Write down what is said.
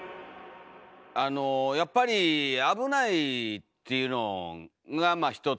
あのやっぱり「危ない」っていうのがまあ一つと。